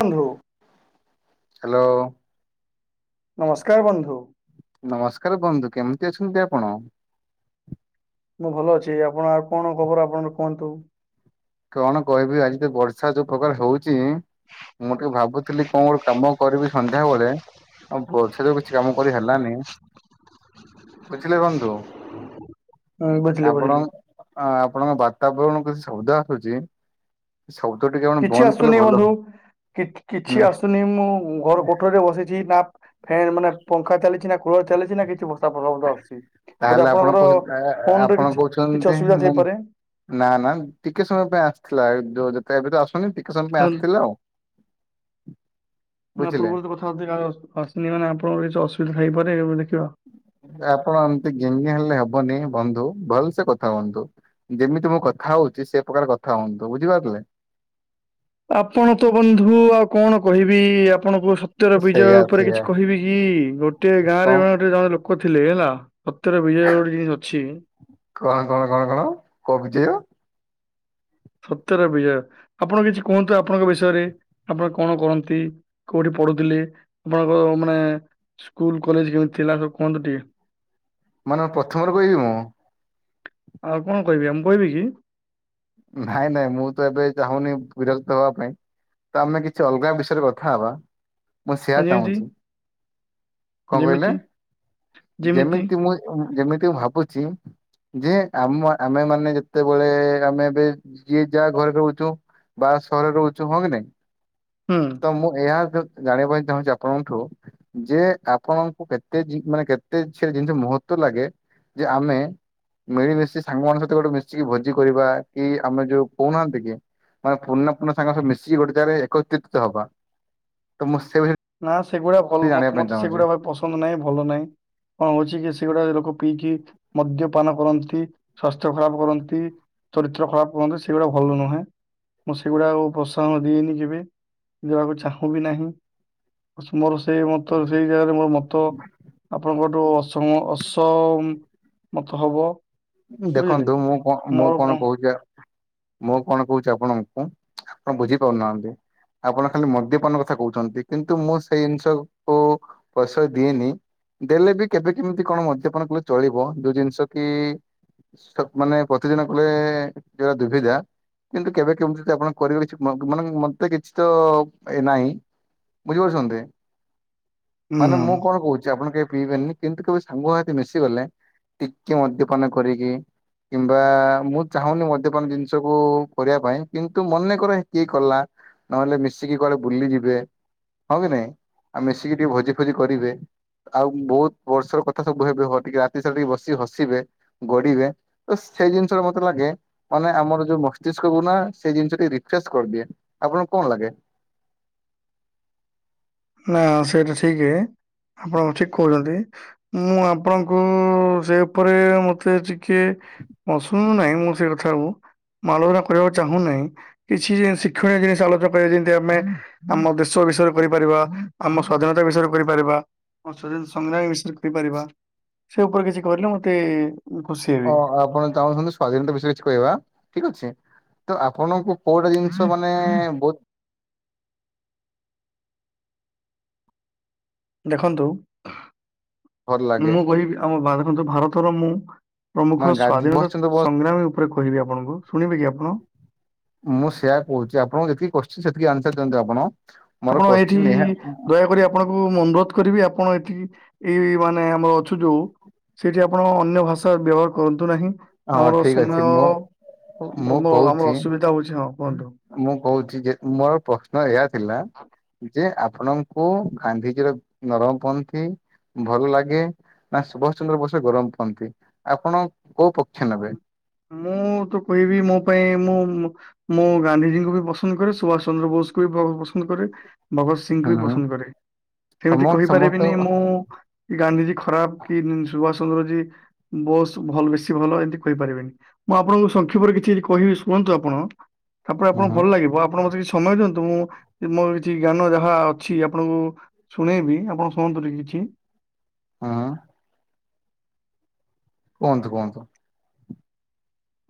Hello hello ନମସ୍କାର ବନ୍ଧୁ ନମସ୍କାର ବନ୍ଧୁ କେମିତି ଅଛନ୍ତି ଆପଣ ମୁଁ ଭଲ ଅଛି ହେଁ ଆପଣ ଆଉ କଣ ଖବର ଆପଣ କୁହନ୍ତୁ କଣ କହିବି ଆଜି ତ ବର୍ଷା ଯୋଉ ପ୍ରକାର ହଉଛି ମୁଁ ଟିକେ ଭାବୁଥିଲି କଣ ଗୋଟେ କାମ କରିବି ସନ୍ଧ୍ୟାବେଳେ ଆଉ ପଛରେ କିଛି କାମ କରି ହେଲାନି ବୁଝିଲେ ବନ୍ଧୁ ହୁଁ ବୁଝିଲି ଆପଣ ବୁଝିଲି ଆପଣଙ୍କ ବାତାବରଣ କିଛି ଶବ୍ଦ ଆସୁଛି ଶବ୍ଦ ଟିକେ ଆପଣ କିଛି ବନ୍ଦ କଲେ ଆସୁନି ଭଲ ବନ୍ଧୁ କି କିଛି ହୁଅନ୍ତା। ଆସୁନି ମୁଁ ଘର କୋଠରୀରେ ବସିଛି ନା ଫ୍ୟାନ୍ ମାନେ ପଙ୍ଖା ଚାଲିଛି ନା କୁଲର ଚାଲିଛି ନା କିଛି ବର୍ଷା ପବନ ଶବ୍ଦ ଆସୁଛି ବୋଧେ ତାହେଲେ ଆପଣ ଆପଣଙ୍କର କହୁ ଫୋନ ରେ ଆପଣ କିଛି କିଛି କହୁଛନ୍ତି ଅସୁବିଧା ମୁଁ ଥାଇପାରେ ନା ନା ଟିକେ ସମୟ ପାଇଁ ଆସିଥିଲା ଯୋ ଯେତେ ଏବେ ତ ଆସୁନି ଟିକେ ସମୟ ପାଇଁ କାରଣ ଆସିଥିଲା ଆଉ ମୁଁ ଇଆ ବୁଝିଲେ। ପୂର୍ବରୁ କଥା ହେଉଥିଲି ଆସିନି ମାନେ ଆପଣଙ୍କର କିଛି ଅସୁବିଧା ହେଇପାରେ ଦେଖିବା। ଆପଣ ଏମତି ଙ୍ଗିଙ୍ଗି ହେଲେ ହବନି ବନ୍ଧୁ ଭଲସେ କଥା ହୁଅନ୍ତୁ। ଯେମିତି ମୁଁ କଥା ହଉଛି ସେ ପ୍ରକାର କଥା ହୁଅନ୍ତୁ ବୁଝିପାରିଲେ। ଆପଣ ତ ବନ୍ଧୁ ଆଉ କଣ କହିବି ଆପଣଙ୍କୁ ସ ଚୋର ସେଇଆ ବିଜୟ ଉପରେ ସେଇଆ କିଛି କହିବି କି ଗୋଟେ ଗାଁ କଣ ରେ ଜଣେ ଗୋଟେ ଜଣେ ଲୋକ ଥିଲେ ହେଲା। ସତରେ ବିଜୟ ଗୋଟେ ଜିନିଷ ଅଛି। କଣ କଣ କଣ କଣ କୋଉ ବିଜୟ। ସତ୍ୟର ବିଜୟ ଆପଣ କିଛି କୁହନ୍ତୁ ଆପଣଙ୍କ ବିଷୟରେ ଆପଣ କଣ କରନ୍ତି? କୋଉଠି ପଢୁଥିଲି ଆପଣଙ୍କ ମାନେ ସ୍କୁଲ୍ କଲେଜ୍ କେମିତି ଥିଲା ସବୁ କୁହନ୍ତୁ ଟିକେ? ମାନେ ପ୍ରଥମରୁ କହିବି ମୁଁ? ଆଉ କଣ କହିବେ ମୁଁ କହିବି କି? ନାଇଁ ନାଇଁ ମୁଁତ ଏବେ ଚାହୁଁନି ବିରକତ ହବା ପାଇଁ। ତ ଆମେ କିଛି ଅଲଗା ବିଷୟରେ କଥା ହବା। ମୁଁ ସେଆ ହଁ, ଯେମିତି ଚାହୁଁଛି କଣ କହିଲେ ଯେମିତି ଯେମିତି ମୁଁ ଯେମିତି ଭାବୁଚି ଯେଆମ ଆମେ ମାନେ ଯେତେବେଳେ ଆମେ ଏ ଯିଏ ଯାହା ଘରେ ରହୁଛୁ ବାସହରରେ ରହୁଛୁ ହଁ କି ନାଇଁ? ହଁ। ତ ମୁଁ ଏହା ଯୋଉ ଜାଣିବା ପାଇଁ ଚାହୁଁଚି ଆପଣଠୁ ଯେ ଆପଣଙ୍କୁ କେତେ ଜି ମାନେ କେତେ ଛେ ଜିନିଷ ମହତଲାଗେ ଯେ ଆମେ ମିଳିମିଶି ସାଙ୍ଗମାନଙ୍କ ସହିତ ଗୋଟେ ମିଶିକି ଭୋଜି କରିବା କିଆମେ ଯୋଉ କହୁନାହାନ୍ତିକି ମାନେ ପୂର୍ଣ୍ଣା ପୁର୍ଣ୍ଣା ସାଙ୍ଗୁ ମିଶିକି ଗୋଟେ ଜାଗାରେ ଏକତ୍ରିତ ହବ ତମୁଁ ସେବି ନା ସେଗୁଡ଼ା ଭଲ ମତେ ସେଗୁଡ଼ା ପସନ୍ଦ ନାହିଁ ଭଲ ନାହିଁ। କଣ ହଉଚିକି ସେଗୁଡ଼ା ଲୋକ ପିଇକି ମଦ୍ୟପାନ କରନ୍ତି ସ୍ଵାସ୍ଥ୍ୟ ଖରାପ୍ କରନ୍ତି। ଚରିତ୍ର ଖରାପ୍ କରନ୍ତି ସେଗୁଡ଼ା ଭଲ ନୁହେଁ। ମୁଁ ସେଗୁଡ଼ାକ ପ୍ରସଙ୍ଗ ଦିଏନି କେବେ ଯିବାକୁ ଚାହୁଁବି ନାହିଁ। ମୋର ସେଇ ମତ ସେଇ ଜାଗାରେ ମୋର ମତ ଆପଣଙ୍କଠୁ ଅସମ ଅସମତ ହବ। ବୁଝିଲେ। ଦେଖନ୍ତୁ ମୁଁ କଣ ମୁଁ କଣ କହୁଚି ମୁଁ କଣ କହୁଚି ଆପଣଙ୍କୁ। ଆପଣ ବୁଝିପାରୁନାହାନ୍ତି। ଆପଣ ଖାଲି ମଦ୍ୟପାନ କଥା କହୁଚନ୍ତି କିନ୍ତୁ ମୁଁ ସେଇ ଜିନିଷ କୁ ପ୍ରସଯ ଦିଏନି ଦେଲେବି କେବେ କେମିତି କଣ ମଦ୍ୟପାନ କଲେ ଚଳିବ ଯୋଉ ଜିନିଷ କି? ମାନେ ପ୍ରତିଦିନ କଲେ ଦିଅଦୁବିଧା। କିନ୍ତୁ କେବେ କେମିତି ଆପଣ କରିବେ କିଛି ମାନେ ମତେ କିଛିତ ନାହିଁ। ବୁଝିପାରୁଛନ୍ତି ହୁଁ ମାନେ ମୁଁ କଣ କହୁଛି ଆପଣ କେହି ପିଇବେନି। କିନ୍ତୁ କେବେ ସାଙ୍ଗ ମାନେ ମିଶିଗଲେ ଟିକେ ମଦ୍ୟପାନ କରିକି କିମ୍ବା ମୁଁ ଚାହୁଁନି ମଦ୍ୟପାନ ଜିନିଷକୁୁ କରିବା ପାଇଁ କିନ୍ତୁ ମନେକର କିଏ କଲା ନହେଲେ ମିଶିକି କୁଆଡ଼େ ବୁଲିଯିବେ ହଁ କି ନାଇଁ ଆଉ ମିଶିକି ଟିକେ ଭୋଜି ଫୋଜି କରିବେ। ଆଉ ବହୁତ୍ ବର୍ଷର କଥା ସବୁ ହେବେ ଟିକେ ରାତି ସାରା ଟିକେ ବସିିକି ହସିବେ ଗଡ଼ିବେ ତ ସେଇ ଜିନିଷଟା ମତେ ଲାଗେ ମାନେ ଆମର ଯୋଉ ମସ୍ତିଷ୍କ କୁନା ସେଇ ଜିନିଷ ରିଫ୍ରେଶ କରିଦିଏ। ଆପଣଙ୍କୁ କଣ ଲାଗେ? ନା ସେଇଟା ଠିକି ଆପଣ ଠିକ୍ କହୁଚନ୍ତି। ମୁଁ ଆପଣଙ୍କୁ ସେଉପରେ ମତେ ଟିକେ ଅ ଶୁନୁନାହିଁ ମୁଁ ସେକଥାକୁ ଆଲଚନା କରିବାକୁ ଚାହୁଁ ନାହିଁ। କିଛି ଶିକ୍ଷଣୀୟ ଜିନିଷ ଆଲୋଚନା କରିବା ଯେମିତି ଆମେ ଆମ ଦେଶ ବିଷୟରେ କରିପାରିବା ଆମ ସ୍ଵାଧୀନତା ବିଷୟରେ କରିପାରିବା ଆମ ସ୍ୱାଧୀନିସଂଗ୍ରାମୀ ବିଷୟରେ କରିପାରିବା। ସେଉପରେ କିଛି କହିଲେ ମତେ ଖୁସି ଓ ହେବି। ଆପଣ ଚାହୁଁଛନ୍ତି ସ୍ଵାଧୀନତା ବିଷୟରେ କିଛି କହିବା ଠିକ୍ ଅଛି ତଆପଣଙ୍କୁ କେଉଁଟା ଜିନିଷ ମାନେ ବହୁତ୍ ଦେଖନ୍ତୁ ଭଲ ଲାଗେ ମୁଁ କହିବି ଆମ ଭାରତର ମୁଁ ମାନେ ପ୍ରମୁଖ ଗାଧି ସ୍ଵାଧୀନତା ବସିଛନ୍ତି ସଂଗ୍ରାମୀ ଉପରେ କହିବି ଆପଣଙ୍କୁ ଶୁଣିବେକି ଆପଣ? ମୁଁ ସେୟଆ କହୁଚି ଆପଣଙ୍କୁ ଯେତିକି କୋଶ୍ଚିନି ସେତିକି ଆନ୍ସର ଦିଅନ୍ତୁ ଆପଣ। ମୋର ଆପଣ ଏଇଠି କୋଶ୍ଚିନ୍ ଏହା ଦୟାକରି ଆପ ଆପଣଙ୍କୁ ମୁଁ ଅନୁରୋଧ କରିବି ଆପଣ ଏଠି ଏଇ ଏଇ ମାନେ ଆମର ଅଛୁ ଯୋଉ ସେଇଠି ଆପଣ ଅନ୍ୟ ଭାଷା ବ୍ୟବହାର କରନ୍ତୁ ନାହିଁ। ହଁ ଆମର ଠିକ ସମୟ ଅଛି ମୁଁ ମୁଁ ଆମ ଆମର କହୁଛି ଅସୁବିଧା ହଉଚି ହଁ କୁହନ୍ତୁ। ମୁଁ କହୁଛି ଯେ ମୋର ପ୍ରଶ୍ନ ଏଇଆ ଥିଲା ଯେ ଆପଣ କୁ ଗାନ୍ଧିଜୀର ନରମ ପନ୍ଥି ଭଲ ଲାଗେ ନା ସୁଭାଷ ଚନ୍ଦ୍ର ବସ ଗରମ ପନ୍ଥୀ ଆପଣ କୋଉ ପକ୍ଷ ନେବେ। ମୁଁ ତ କହିବି ମୋ ପାଇଁ ମୁଁ ମୁଁ ଗାନ୍ଧିଜୀଙ୍କୁ ବି ପସନ୍ଦ କରେ ସୁଭାଷ ଚନ୍ଦ୍ର ବୋଷଙ୍କୁ ବି ପ ପସନ୍ଦ କରେ। ଭଗତ ସିଂଙ୍କୁ ହୁଁ ବି ହୁଁ ପସନ୍ଦ କରେ ସମ ସେମିତି ସମସ୍ତ କହିପାରିବିନି ହୁଁ ମୁଁ କି ଗାନ୍ଧିଜୀ ଖରାପ କି ସୁଭାଷ ଚନ୍ଦ୍ରଜୀ ବୋସ ଭଲ ବେଶୀ ଭଲ ଏମିତି କହିପାରିବିନି। ମୁଁ ଆପଣଙ୍କୁ ସଂକ୍ଷେପରେ କିଛି କହିବି ଶୁଣନ୍ତୁ ଆପଣ ତାପରେ ଆପଣଙ୍କୁ ହୁଁ ଭଲ ଲାଗିବ ଆପଣ ମତେ କିଛି ସମୟ ଦିଅନ୍ତୁ ମୁଁ ମୋର କିଛି ଜ୍ଞାନ ଯାହା ଅଛି ଆପଣଙ୍କୁ ଶୁଣେଇବି ଆପଣ ଶୁଣନ୍ତୁ ଟିକେ କିଛି। ହଁ। କୁହନ୍ତୁ କୁହନ୍ତୁ।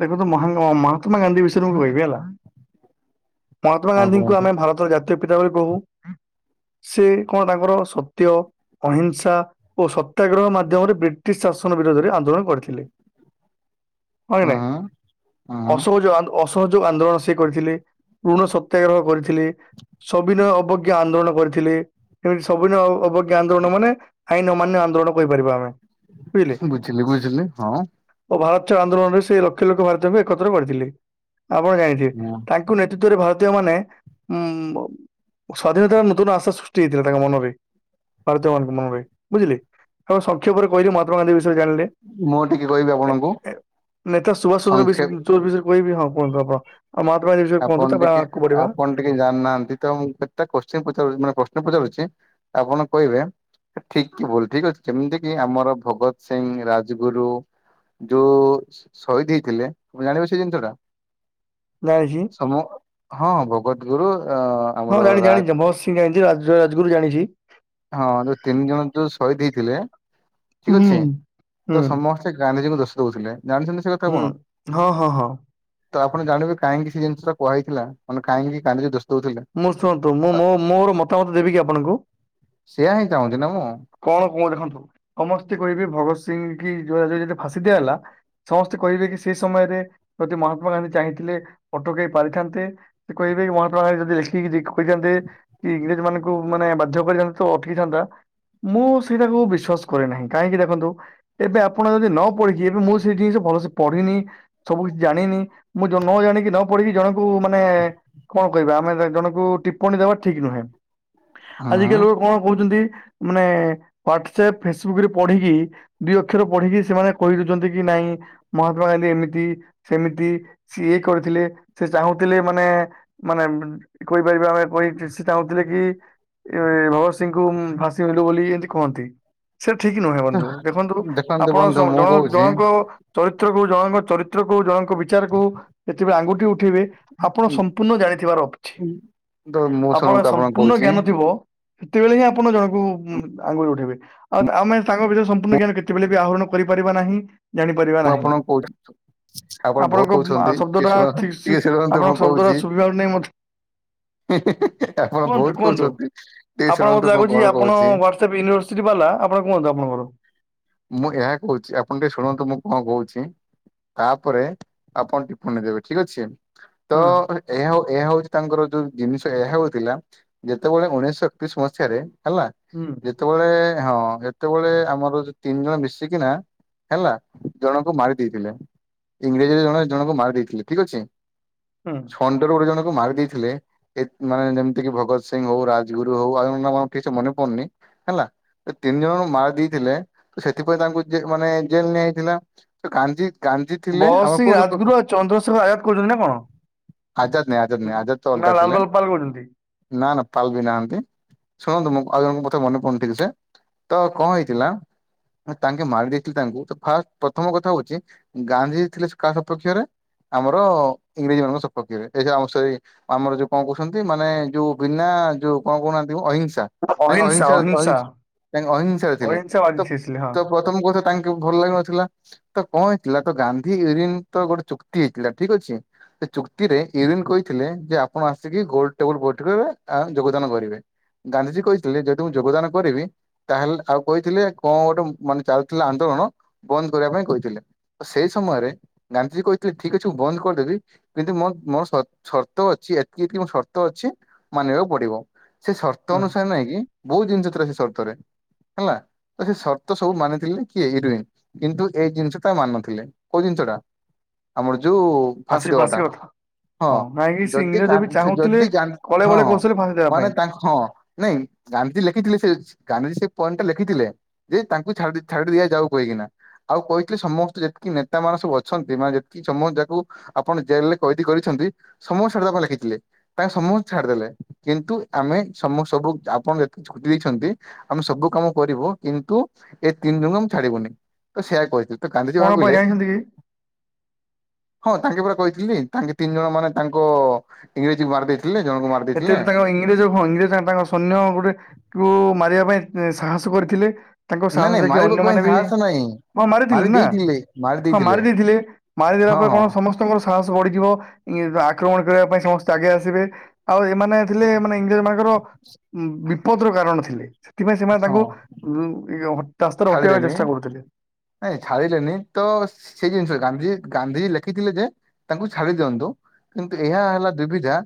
ଦେଖନ୍ତୁ ମହାନ ମହାତ୍ମା ଗାନ୍ଧୀ ବିଷୟରେ ମୁଁ କହିବି ହେଲା ମହାତ୍ମା ହଁ ଗାନ୍ଧୀଙ୍କୁ କୁହନ୍ତୁ ଆମେ ଭାରତ ର ଜାତୀୟ ପିତା ବୋଲି କହୁ ସେ କଣ ତାଙ୍କର ସତ୍ୟ ଅହିଂସା ଓ ସତ୍ୟାଗ୍ରହ ମାଧ୍ୟମରେ ବ୍ରିଟିଶ୍ ଶାସନ ବିରୋଧରେ ଆନ୍ଦୋଳନ କରିଥିଲେ। ହଁ କି ହୁଁ ନାଇଁ ହୁଁ ଅସହଯ ଅସହଯୋଗ ଆନ୍ଦୋଳନ ସେ କରିଥିଲେ ଋଣ ସତ୍ୟାଗ୍ରହ କରିଥିଲେ ସବିନୟ ଅବଜ୍ଞା ଆନ୍ଦୋଳନ କରିଥିଲେ। ଏମିତି ସବିନୟ ଅବଜ୍ଞା ଆନ୍ଦୋଳନ ମାନେ ଆଇନ୍ ଅମାନ୍ୟ ଆନ୍ଦୋଳନ କହିପାରିବା ଆମେ। ବୁଝିଲେ ବୁଝିଲି ବୁଝିଲି ହଁ। ଓ ଭାରତ ଛାଡ ଆନ୍ଦୋଳନରେ ସେ ଲକ୍ଷ ଲକ୍ଷ ଭାରତୀୟଙ୍କୁ ଏକତ୍ରିତ କରିଥିଲେ ଆପଣ ଜାଣିଥିବେ ମୁଁ ତାଙ୍କୁ ତୀତରେ ଭାରତୀୟ ମାନେ ଉଁ ସ୍ଵାଧୀନତାର ନୂତନ ଆଶା ସୃଷ୍ଟି ହେଇଥିଲା ତାଙ୍କ ମନରେ। ଭାରତୀୟମାନଙ୍କ ମନରେ ବୁଝିଲେ ତ ସଂକ୍ଷେପରେ କହିଲି ମହାତ୍ମା ଗାନ୍ଧୀ ବିଷୟରେ ଜାଣିଲେ। ମୁଁ ଟିକେ କହିବି ଆପଣଙ୍କୁ। ନେତା ସୁଭାଷ ଚନ୍ଦ୍ର ବିସ ସଂକ୍ଷେପ ବିଶୟରେ କହିବି ହଁ କୁହନ୍ତୁ ଆପଣ ଆଉ ମହାତ୍ମା ଗାନ୍ଧୀ ବିଷୟରେ କୁହନ୍ତୁ ଆପଣ ତାପରେ ଟିକେ ଆଗକୁ ବଢିବା। ଆପଣ ଟିକେ ଜାଣିନାହାନ୍ତି ତ ମୁଁ କେତ୍ଟା କୋଶ୍ଚିନ୍ ପଚାରୁଛି ମାନେ ପ୍ରଶ୍ନ ପଚାରୁଛି ଆପଣ କହିବେ। ଠିକ୍ କି ଭୁଲ ଠିକ୍ ଅଛି କେମିତି କି ଆମର ଭଗତ ସିଂ ରାଜଗୁରୁ ଯୋଉ ସହିଦ୍ ହେଇଥିଲେ ତମେ ଜାଣିବ ସେଇ ଜିନିଷ ଟା। ଜାଣିଛି। ସମୁଁ ହଁ ଭଗତ ଗୁରୁ ଆମର ରାଜ ଟିକ ଜାଣିଚି ରାଜ ରାଜଗୁରୁ ଜାଣିଚି। ହଁ ଯୋଉ ତିନି ଜଣ ଯୋଉ ଶହିଦ୍ ହେଇଥିଲେ ଠିକ୍ ହୁଁ। ଅଛି ହୁଁ ତ ସମ ଗାନ୍ଧିଜୀଙ୍କୁ ଦୋଷ ଦଉଥିଲେ ଜାଣିଛନ୍ତି ସେ କଥା ହୁଁ ଆପଣ? ହଁ ହଁ ହଁ। ତ ଆପଣ ଜାଣିବେ କାହିଁକି ସେ ଜିନିଷଟା କୁହା ହେଇଥିଲା ମାନେ କାହିଁକି କି ଗାନ୍ଧିଜୀ ଦୋଷ ଦଉଥିଲେ। ମୁଁ ଶୁଣନ୍ତୁ ମୁଁ ମୋ ମୋର ମତାମତ ଦେବି କିି ଆପଣଙ୍କୁ। ସେଇଆ ହିଁ ଚାହୁଁଛି ନା ମୁଁ। କଣ କୁଣ ଦେଖନ୍ତୁ ସମସ୍ତେ କହିବି ଭଗତ ସିଂ କି ଯୋ ଯଦି ଫାଶୀ ଦିଆ ହେଲା। ସମସ୍ତେ କହିବେ କି ସେ ସମୟରେ ଯଦି ମହାତ୍ମା ଗାନ୍ଧୀ ଚାହିଁଥିଲେ ଅଟକେଇ ପାରିଥାନ୍ତେ। ସେ କହିବେ ମହାତ୍ମାଗାନ୍ଧୀ ଯଦି ଲେ କିରି କହିଥାନ୍ତେ ଇଂରେଜ ମାନଙ୍କୁ ମାନେ ବାଧ୍ୟ କରିଥାନ୍ତେ ତ ଅଟକିଥାନ୍ତା। ମୁଁ ସେଇଟାକୁ ବିଶ୍ଵାସ କରେ ନାହିଁ କାହିଁକି ଦେଖନ୍ତୁ। ଏବେ ଆପଣ ଯଦି ନ ପଢିକି ଏବେ ମୁଁ ସେଇ ଜିନିଷ ଭଲସେ ପଢିନି ସବୁ କିଛି ଜାଣିନି, ମୁଁ ଜ ନ ଜାଣିକି ନ ପଢିକି ଜଣଙ୍କୁ ମାନେ କଣ କହିବା ଆମେ ଜଣଙ୍କୁ ଟିପ୍ପଣୀ ଦେବା ଠିକ ନୁହେଁ। ଆଜିକାଲି ଲୋକ କଣ କହୁଚନ୍ତି ମାନେ ହ୍ଵାଟସେପ୍ ଫେସବୁକ ରେ ପଢିକି ଦି ଅକ୍ଷର ପଢିକି ସେମାନେ କହି ଦଉଛନ୍ତି କି ନାଇଁ ମହାତ୍ମା ଗାନ୍ଧୀ ଏମିତି, ସେମିତି ସିଏ କରିଥିଲେ, ସେ ଚାହୁଁଥିଲେ ମାନେ ମାନେ କହିପାରିବା ଆମେ [unintelligible] ସେ ଚାହୁଁଥିଲେ କି ଏ ଭଗତ ସିଂଙ୍କୁ ଫାଶୀ [unintelligible] ବୋଲି ଏମିତି କୁହନ୍ତି। ସେ ଠିକ ନୁହେଁ ହୁଁ। ବନ୍ଧୁ, ଦେଖନ୍ତୁ ଆପଣ ବନ୍ଧୁ ମୁଁ [unintelligible] କହୁଛି ଜଣଙ୍କ ଚରିତ୍ରକୁ ଜଣଙ୍କ ଚରିତ୍ରକୁ ଜଣଙ୍କ ବିଚାର କୁ ଯେତେବେଳେ ଆଙ୍ଗୁଠି ଉଠେଇବେ ଆପଣ ସମ୍ପୂର୍ଣ୍ଣ ଜାଣିଥିବାର ଅଛି। ହୁଁ। ଆପଣ [unintelligible] ସମ୍ପୂର୍ଣ୍ଣ ଜ୍ଞାନ ଥିବ ସେତେବେଳେ ହିଁ ଆପଣ ଜଣଙ୍କୁ [unintelligible] ଆଙ୍ଗୁଳି ଉଠେଇବେ। ଆଉତ ଆମେ ତାଙ୍କ ଭିତରେ ସମ୍ପୂର୍ଣ୍ଣ ଜ୍ଞାନ କେତେବେଳେ ବି ଆହରଣ କରିପାରିବା ନାହିଁ। ଜାଣିପାରିବା ମୁଁ ନାହିଁ। ଆପଣଙ୍କୁ [unintelligible] ଆପଣ ଭୁଲ ଆପଣଙ୍କ କହୁଛନ୍ତି। ଶବ୍ଦଟା ଟିକେ [unintelligible] ଠିକ ସେ ଟିକେ ଶୁଣନ୍ତୁ ଆପଣଙ୍କ ମୁଁ ଶବ୍ଦଟା କହୁଛି? ଶୁଭିବାର ନାହିଁ ମତେ ଆପଣ କୁହନ୍ତୁ ବହୁତ କୁହନ୍ତୁ କହୁଛନ୍ତି। ଟିକେ ଆପଣ ଶୁଣନ୍ତୁ ମତେ ମୁଁ କଣ ଲାଗୁଛି ଆପଣ କହୁଛି [unintelligible] [unintelligible] ଆପଣ କୁହନ୍ତୁ ଆପଣଙ୍କର ମୁଁ ଏହା କହୁଛି ଆପଣ ଟିକେ ଶୁଣନ୍ତୁ? ମୁଁ କଣ କହୁଛି। ତାପରେ ଆପଣ ଟିପଣି ଦେବେ ଠିକ ଅଛି। ତ ହୁଁ ଏହା ଆଉ ଏହା ହଉଛି ତାଙ୍କର ଯୋଉ ଜିନିଷ ଏହା ହଉଥିଲା ଯେତେବେଳେ ଉଣେଇଶ ଏକତିରିଶ ମସିହାରେ ହେଲା, ଯେ ଯେତେବେଳେ ହଁ ଏତେବେଳେ ଆମର ତିନି ଜଣ ମିଶିକିନା, ହେଲା ଜଣଙ୍କୁ ମାରି ଦେଇେଇଥିଲେ। ଇଂରେଜୀରେ ଜଣ ଜଣଙ୍କୁ ମାରି ଦେଇେଇଥିଲେ, ଠିକ ଅଛି। ହୁଁ। ଫଣ୍ଡରୁ ଗୋଟେ ଜଣଙ୍କୁ ମାରି ଦେଇଥିଲେ। ଏ ମାନେ ଯେମିତିକି ଭଗବତ ସିଂ ହଉ, ରାଜଗୁରୁ ହଉ [unintelligible] ମନେ ପଡୁନି, ହେଲା। ତିନି ଜଣଙ୍କୁ ମାରି ଦେଲେ ଥିଲେ, ସେଥିପାଇଁ ତାଙ୍କୁ ଜେ ମାନେ ଜେଲ ନିଆଯଇଥିଲା ତ କାଞ୍ଜି ଭରତ ସିଂହ, ରାଜଗୁରୁ ଆଉ, ଚନ୍ଦ୍ରଶେଖର ଆଜାଦ କହୁଛନ୍ତି ନା କଣ? ଆଜାଦ୍ ନାଇଁ ଆଜାଦ ନାଇଁ ଆଜାଦ ତ ନା ଅଲଗା ଥିଲେ, ଲାଲବାଲ ପାଲ କହୁଛନ୍ତି ନା ନା ପାଲ ବି ନାହାନ୍ତି। ଶୁଣନ୍ତୁ ମୁଁ ଆଉ ଜଣଙ୍କ କଥା ମନେ ପଡନ ଠିକ ସେ, ତ କଣ ହେଇଥିଲା ତାଙ୍କେ ମାରି ଦେଇେଇଥିଲେ ତାଙ୍କୁ, ତ ଫାଷ୍ଟ ପ୍ରଥମ କଥା ହଉଛି ଗାନ୍ଧୀଜୀ ଥିଲେ କାହା ସପକ୍ଷରେ ଆମର ଇଂରେଜୀ ମାନଙ୍କ ସପକ୍ଷରେ। [unintelligible] ଆମ ସେଇ ଆମର ଯୋଉ କଣ କହୁଛନ୍ତି, ମାନେ ଯୋଉ ବିନା ଯୋଉ କଣ କହୁନାହାନ୍ତି ଅହିଂସ [unintelligible] ତାଙ୍କ ଅହିଂସା ଅହିଂସାର ଅହିଂସା [unintelligible] ତାଙ୍କ ଅହିଂସାରେ ଥିଲେ। ଅହିଂସା ବାଜି ଥିଲେ ହଁ [unintelligible] ପ୍ରଥମ [unintelligible] ଭଲ ଲାଗୁ ନଥିଲା। ତ କଣ ହେଇଥିଲା, ତ ଗାନ୍ଧୀ [unintelligible] ଗୋଟେ ଚୁକ୍ତି ହେଇଥିଲା, ଠିକ ଅଛି। ସେ ଚୁକ୍ତିରେ ୟୁରିନ୍ କହିଥିଲେ, ଯେ ଆପଣ ଆସିକି ଗୋଲଡ ଟେବୁଲ ବୈଠକ ରେ ଆ ଯୋଗଦାନ କରିବେ। ଗାନ୍ଧିଜୀ କହିଥିଲେ, ଯଦି ମୁଁ ଯୋଗଦାନ କରିବି ତାହେଲେ, ଆଉ କହିଥିଲେ କଣ ଗୋଟେ ମାନେ ଚାଲୁଥିଲା ଆନ୍ଦୋଳନ। ବନ୍ଦ କରିବା ପାଇଁ କହିଥିଲେ, ସେଇ ସମୟରେ ଗାନ୍ଧିଜୀ କହିଥିଲେ ଠିକ ଅଛି ମୁଁ ବନ୍ଦ କରିଦେବି। କିନ୍ତୁ ମୋ ମୋର [unintelligible] ସର୍ତ୍ତ ଅଛି ଏତିକିି ମୋ ସର୍ତ୍ତ ଅଛି ମାନିବାକୁ ପଡିବ। ସେ ସର୍ତ୍ତ ହଁ ଅନୁସାରେ ନାଇଁ କି ବହୁତ ଜିନିଷ ଥିଲା ସେ ସର୍ତ ରେ। ହେଲା ତ ସେ ସର୍ତ୍ତ ସବୁ ମାନିଥିଲେ କିଏ ୟୁରୋଇନ। କିନ୍ତୁ ଏଇ ଜିନିଷ ଟା ମାନିନଥିଲେ। କୋଉ ଜିନିଷ ଟା? ଆମର ଯୋଉ ଫାଶୀ ଫାଶୀ କଥା। ହଁ ନାଇଁ କି ସେ ଯଦି ଗା ଇଂରେଜ ବି ସେ ଚାହୁଁଥିଲେ ଯଦି ଗା କଳେ ହଁ ବଳେ ହଁ। କୌଶଳେ [unintelligible] ଦେବା ମାନେ ପାଇଁ। ତାଙ୍କ ହଁ ନାଇଁ ଗାନ୍ଧିଜୀ ଲେଖିଥିଲେ ସେ ଗାନ୍ଧିଜୀ ସେ ପଏଣ୍ଟ ଟା ଲେଖିଥିଲେ। ଯେ ତାଙ୍କୁ ଛା ଛାଡିିଦିଆ ଯାଉ କାହିକିନା। ଆଉ କହିଥିଲେ ସମସ୍ତେ ଯେତିକି ନେତା ମାନେ ସବୁ ଅଛନ୍ତି ମାନ ଯେତିକି ସମସ୍ତେ ଯାକୁ ଆପଣ ଜେଲରେ କଏଦି କରିଛନ୍ତି। [unintelligible] ଲେଖିଥିଲେ। ତାଙ୍କେ ସମସ୍ତେ ଛାଡିଦେଲେ କିନ୍ତୁ ଆମେ ସମ ସବୁ ଆପଣ ଯେତେ ଛୁଟି ଦେଇଛନ୍ତି ଆମେ ସବୁ କାମ କରିବୁ କିନ୍ତୁ ଏ ତିନି ଜଣଙ୍କୁ ଆମ ଛାଡିବୁନି। ତ ସେଇଆ କହିଥିଲେ। ତୁ ଗାନ୍ଧିଜୀ କଣ ପାଇଁ ଭାବିଲେ ଜାଣିଛନ୍ତି କି? ହଁ ତାଙ୍କେ ପରା କହିଥିଲି ତାଙ୍କେ ତିନି ଜଣ ମାନେ ତାଙ୍କ ଇଂରେଜକୁ ମାରିଦେଇ [unintelligible] ଜଣକୁ ମାର [unintelligible] ଇଂଗ୍ରେଜ ହଁ ଇଂରେଜ ତାଙ୍କ ସୈନ୍ୟ ଗୋଟେ କୁ ମାରିବା ପାଇଁ ସାହସ କରିଥିଲେ। ତାଙ୍କ ନାଇଁ ସାହସ ନାଇଁ ଦେଖି ମାରିବା ପାଇଁ ଅନ୍ୟମାନେ ବି ସାହସ ନାହିଁ ହଁ ମାରିଥିଲେ ନା ହଁ ମାରି ଦେଇଥିଲେ ମାରିଦେଲା ହଁ ପରେ ହଁ କଣ ସମସ୍ତ ତାଙ୍କ ସାହସ ବଢିଯିବ ଆକ୍ରମଣ କରିବା ପାଇଁ ସମସ୍ତେ ଆଗେଇ ଆସିବେ। ଆଉ ଏମାନେ ଥିଲେ ମାନେ ଇଂଗ୍ରେଜ ମାନଙ୍କର ବିପଦର କାରଣ ଥିଲେ। ସେଥିପାଇଁ ସେମାନେ ହଁ ତାଙ୍କୁ ରାସ୍ତାରୁ ହଟେଇବା ପାଇଁ ଛାଡିଲେନି ଚେଷ୍ଟା କରୁଥିଲେ। ନାଇଁ ଛାଡିଲେନି ତ ସେଇ ଜିନିଷ ଗାନ୍ଧୀ ଗାନ୍ଧି ଲେଖିଥିଲେ ଯେ ତାଙ୍କୁ ଛାଡି ଦିଅନ୍ତୁ କିନ୍ତୁ ଏହା ହେଲା ଦୁବିଧା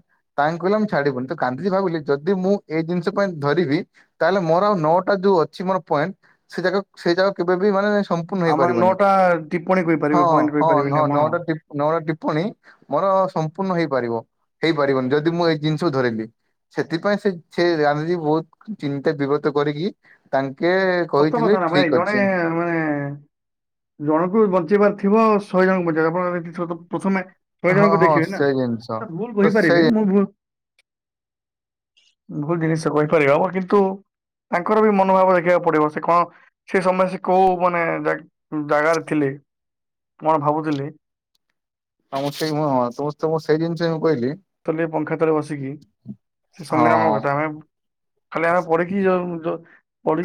ତାଙ୍କେ କହିଲେ ଆମେ ଛାଡିବୁନି। ତ ଗାନ୍ଧିଜୀ ଭାବିଲେ ଯଦି ମୁଁ ଏଇ ଜିନିଷ ପାଇଁ ଧରିବି ତାହେଲେ ମୋର ଆଉ ନଅଟା ଯୋଉ ଅଛି ମୋର ପଏଣ୍ଟ ସେ ଯାଗା ସେଇ ଜାଗାକୁ କେବେ ବି ମାନେ ସମ୍ପୂର୍ଣ୍ଣ ଆମର ହେଇପାରିବନି। ନଅଟା ଟିପ୍ପଣୀ ହଁ କହିପାରିବେ ପଏଣ୍ଟ ହଁ କହିପାରିବେନି ହଁ ନଅ ଆପଣ। [unintelligible] ନଅଟା ଟିପ୍ପଣୀ ମୋର ସମ୍ପୂର୍ଣ୍ଣ ହେଇପାରିବ ହେଇପାରିବନି ଯଦି ମୁଁ ଏଇ ଜିନିଷକୁ ଧରିଲି। ସେଥିପାଇଁ ସେ ସେ ଗାନ୍ଧିଜୀ ବହୁତ ଚିନ୍ତା ବିଗତ କରିକି ତାଙ୍କେ ସତ କହିଥିଲେ କଥା ନା ଭାଇ ଠିକ ଜଣେ ଅଛି ମାନେ ଜଣକୁ ବଞ୍ଚେଇବାର ଥିବ ଶହେ ଜଣଙ୍କୁ ବଞ୍ଚେଇବା ଆପଣ ଏଥି ସହିତ ପ୍ରଥମେ ଶହେ ହଁ ଜଣଙ୍କୁ ହଁ ଦେଖିବେ ନା। ସେଇ ଜିନିଷ ନା ଭୁଲ ତ କହିପାରିବେ ସେଇ ମୁଁ ଭୁଲ ଭୁଲ ଜିନିଷ କହିପାରିହବ କିନ୍ତୁ ତାଙ୍କର ବି ମନୋଭାବ ଦେଖିବାକୁ ପଡିବ ସେ କଣ ସେ ସମୟ ସେ କୋଉ ମାନେ ଜାଗାରେ ଥିଲେ। କଣ ଭାବୁଥିଲି। [unintelligible] ସେଇ ଜିନିଷ ହିଁ ମୁଁ କହିଲି। ତଲେ ପଙ୍ଖା ତଳେ ବସିକି ସେ ହଁ ସଂଗ୍ରାମ କଥା ଆମେ ଖାଲି ଆମେ ପଢିକି ଯୋଉ।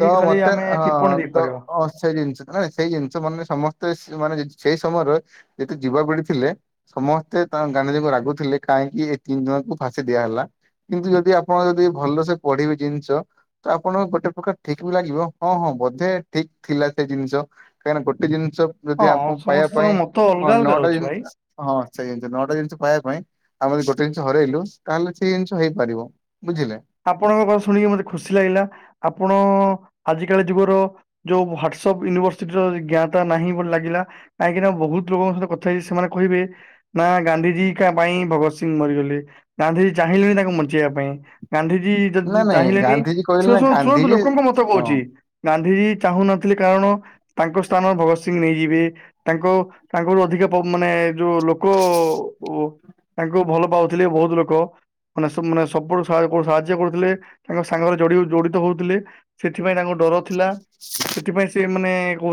ତ ଖାଲି ମୋତେ ଆମେ ଟିପ୍ପଣୀ ହଁ ତ ଦେଇପାରିବା ହଁ ସେହି ଜିନିଷ। ନା ସେଇ ଜିନିଷ ମାନେ ସମସ୍ତେ ମାନେ ସେଇ ସମୟରେ ଯେତେ ଯିବ ପିଢ଼ି ଥିଲେ ସମସ୍ତେ ତାଙ୍କ ଗାନ୍ଧିଜୀଙ୍କୁ ରାଗୁଥିଲେ କାହିଁକି ଏ ତିନି ଜଣଙ୍କୁ ଫାଶୀ ଦିଆହେଲା। କିନ୍ତୁ ଯଦି ଆପଣ ଯଦି ଭଲସେ ପଢିବେ ଜିନିଷ ତ ଆପଣଙ୍କୁ ଗୋଟେ ପ୍ରକାର ଠିକ ବି ଲାଗିବ ହଁ ହଁ ବୋଧେ ଠିକ ଥିଲା ସେ ଜିନିଷ କାହିଁକିନା ଗୋଟେ ଜିନିଷ ହଁ ଯଦି ଆପଣ ପାଇବା ସମସ୍ତଙ୍କ ପାଇଁ ମତ ଅଲଗା ହଁ ଅଲଗା ନଅଟା ରହୁଛି ଭାଇ ଜିନିଷ ହଁ ସେଇ ନଅଟା ଜିନିଷ ପାଇବା ପାଇଁ ଆମେ ଯଦି ଗୋଟେ ଜିନିଷ ହରେଇଲୁ ତାହେଲେ ସେଇ ଜିନିଷ ହେଇପାରିବ ବୁଝିଲେ। ଆପଣଙ୍କ କଥା ଶୁଣିକି ମତେ ଖୁସି ଲାଗିଲା ଆପଣ ଆଜି କାଲି ଯୁଗର ଯୋଉ ହଟସପ୍ ୟୁନିଭର୍ସିଟିର ଜ୍ଞାତା ନାହିଁ ବୋଲି ଲାଗିଲା। କାହିଁକିନା ବୋହୁତ ଲୋକୋଙ୍କ ସହିତ କଥା ହେଇଛି ସେମାନେ କହିବେ ନା ଗାନ୍ଧିଜୀକା ପାଇଁ ଭଗତ ସିଂ ମରିଗଲେ ଗାନ୍ଧିଜୀ ଚାହିଁଲେନି ତାଙ୍କୁ ବଞ୍ଚେଇବା ପାଇଁ। ଗାନ୍ଧିଜୀ ନା ନାଇଁ ଚାହିଁଲେନି ଗାନ୍ଧିଜୀ କହିଲେ ନା ଶୁ-ଶୁ-ଶୁଣନ୍ତୁ ଗାନ୍ଧିଜୀ ଲୋକଙ୍କ ମତ ହଁ। କହୁଛି। ଗାନ୍ଧିଜୀ ଚାଁହୁନଥିଲେ କାରଣ ତାଙ୍କ ସ୍ଥାନ ଭଗତ ସିଂ ନେଇଯିବେ। ତାଙ୍କ ତାଙ୍କଠୁ ଅଧିକ ପ ମାନେ ଯୋଉ ଲୋକୋ ତାଙ୍କୁ ଭଲ ପାଉଥିଲେ ବୋହୁତ ଲୋକ ମାନେ ମାନେ ସବୁ ସହାୟକ କୁ ସାହାଯ୍ୟ କରୁଥିଲେ। ତାଙ୍କ ସାଙ୍ଗରେ ଯୋଡି ହୋଇ ଜଡିତ ହଉଥିଲେ। ସେଥିପାଇଁ ତାଙ୍କ ଡର ଥିଲା ସେଥିପାଇଁ ସିଏ ମାନେ କ